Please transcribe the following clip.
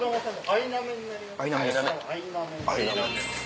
アイナメです。